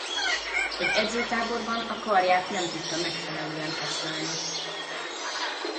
Egy edzőtáborban a karját nem tudta megfelelően használni.